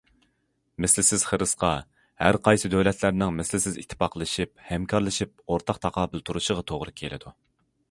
مىسلىسىز خىرىسقا ھەرقايسى دۆلەتلەرنىڭ مىسلىسىز ئىتتىپاقلىشىپ، ھەمكارلىشىپ ئورتاق تاقابىل تۇرۇشىغا توغرا كېلىدۇ.